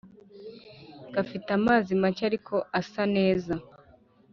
gafite amazi make ariko asa neza